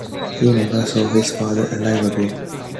He never saw his father alive again.